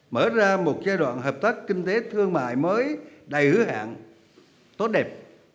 mở ra một giai đoạn hợp tác kinh tế thương mại mới đầy hứa hẹn tốt đẹp